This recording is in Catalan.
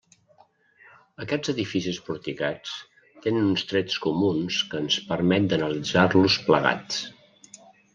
Aquests edificis porticats tenen uns trets comuns que ens permet d'analitzar-los plegats.